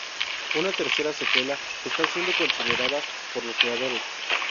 Una tercera secuela está siendo considerada por los creadores.